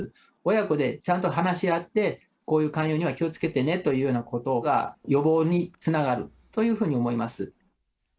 親子でちゃんと話し合って、こういう勧誘には気をつけてねというようなことが、予防につながるというふうに思います。